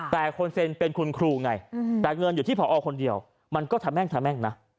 แต่คนเซ็นเป็นคุณครูไงแต่เงินอยู่ที่ผอคนเดียวมันก็ทะแม่งทะแม่งนะ